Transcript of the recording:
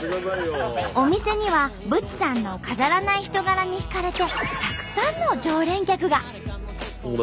お店にはブチさんの飾らない人柄に惹かれてたくさんの常連客が。